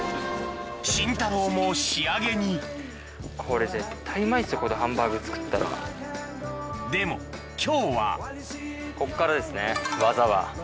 シンタローも仕上げにでも今日はこっからですね技は。